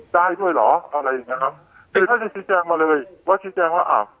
ได้ด้วยเหรออะไรอย่างเงี้ครับคือท่านจะชี้แจงมาเลยว่าชี้แจงว่าอ่า